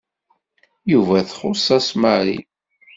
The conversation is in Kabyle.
Yuba txuṣṣ-as Mary.